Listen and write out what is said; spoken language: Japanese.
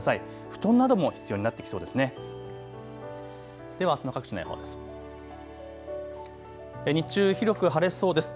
布団なども必要になってきそうです。